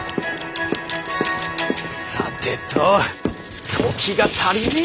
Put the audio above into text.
さてと時が足りねぇ！